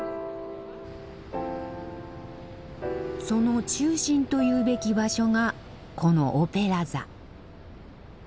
その中心というべき場所がこのオペラ座。